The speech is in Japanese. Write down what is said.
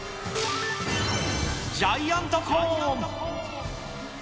ジャイアントコーン。